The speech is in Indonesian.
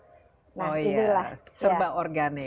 semua serba organik